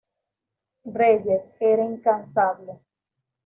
Reyes era incansable.